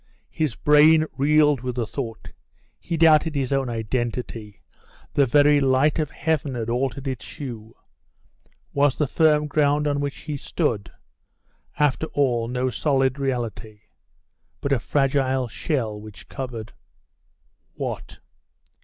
His brain reeled with the thought. He doubted his own identity. The very light of heaven had altered its hue. Was the firm ground on which he stood after all no solid reality, but a fragile shell which covered what?